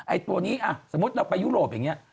ตัวนี้สมมุติเราไปยุโรปอย่างนี้